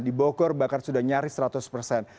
di bogor bahkan sudah nyaris seratus persen